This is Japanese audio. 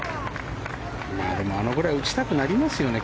でも、あのぐらい打ちたくなりますよね